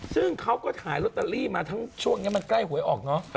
ซึ่งเขาก็ขายลอตเตอรี่มาทั้งช่วงนี้มันใกล้หวยออกเนอะ